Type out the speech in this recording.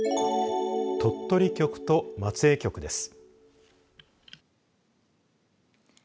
鳥取局と松江局です。